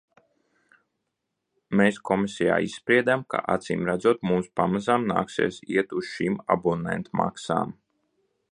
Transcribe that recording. Mēs komisijā izspriedām, ka acīmredzot mums pamazām nāksies iet uz šīm abonentmaksām.